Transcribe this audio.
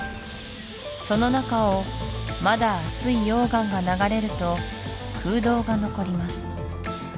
その中をまだ熱い溶岩が流れると空洞が残ります